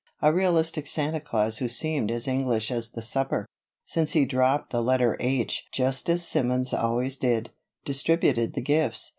A realistic Santa Claus who seemed as English as the supper, since he dropped the letter H just as Simmons always did, distributed the gifts.